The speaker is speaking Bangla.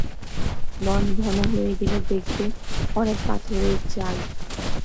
বন ঘন হয়ে গেলে দেখবে অনেক পাথরের চাঁই।